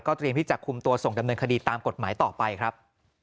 เตรียมที่จะคุมตัวส่งดำเนินคดีตามกฎหมายต่อไปครับ